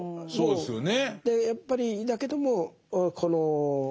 そうですね。